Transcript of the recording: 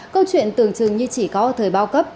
câu chuyện tưởng chừng như chỉ có ở thời bao cấp